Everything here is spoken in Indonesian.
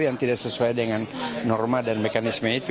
yang tidak sesuai dengan norma dan mekanisme itu